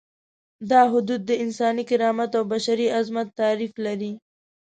دا حدود د انساني کرامت او بشري عظمت تعریف لري.